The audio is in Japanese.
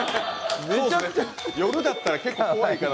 夜だったら結構怖いかな。